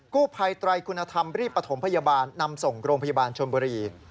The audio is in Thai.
กู้ภัยไตรคุณธรรมรีบประถมพยาบาลนำส่งโรงพยาบาลชนบุรี